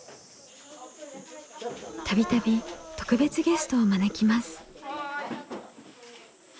度々特別ゲストを招きます。